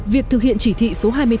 việc thực hiện chỉ thị số hai mươi tám